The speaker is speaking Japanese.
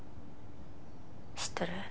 知っとる？